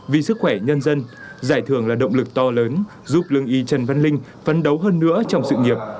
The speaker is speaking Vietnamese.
vì sức khỏe nhân dân giải thưởng là động lực to lớn giúp lương y trần văn linh phấn đấu hơn nữa trong sự nghiệp